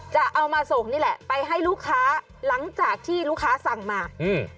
จะเอามาส่งนี่แหละไปให้ลูกค้าหลังจากที่ลูกค้าสั่งมาอืม